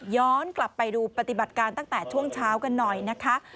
ย้อนกลับไปดูปฏิบัติการตั้งแต่ช่วงเช้ากันหน่อยนะคะ